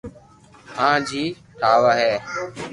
آج ھي ٺاوا ھي